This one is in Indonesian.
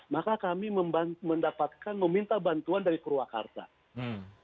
maka kami mendapatkan meminta bantuan dari polres tetangga yang tidak pilkada